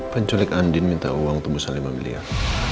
penculik andin minta uang untuk musah lima miliar